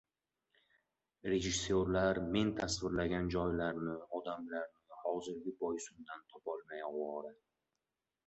Rejissyorlar men tasvirlagan joylarni, odamlarni hozirgi Boysundan topolmay ovora.